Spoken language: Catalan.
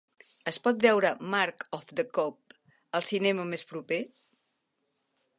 Es pot veure Mark of the Cop al cinema més proper?